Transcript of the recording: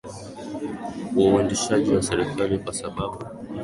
wa uendeshaji wa serikali kwa sababu